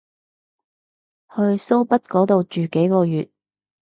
去蘇北嗰度住幾個月